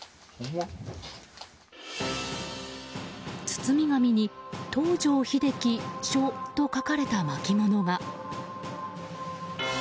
包み紙に「東條英機」と書かれた巻き物が。